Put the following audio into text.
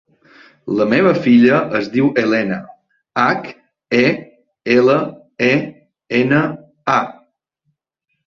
La meva filla es diu Helena: hac, e, ela, e, ena, a.